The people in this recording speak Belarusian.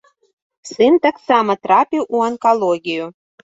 Сын таксама трапіў у анкалогію.